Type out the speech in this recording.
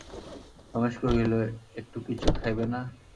রমেশ কহিল, একটু কিছু খাইবে না?